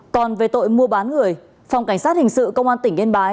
còn về tội mua bán người phòng cảnh sát hình sự công an tỉnh yên bái